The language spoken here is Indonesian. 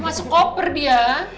masuk koper dia